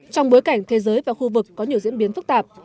trong bối cảnh thế giới và khu vực có nhiều diễn biến phức tạp